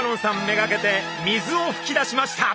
目がけて水をふき出しました。